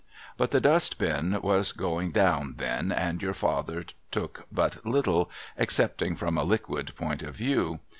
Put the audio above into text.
But the Dust Bin was going down then, and your father took but little, — excepting from a liquid point of view.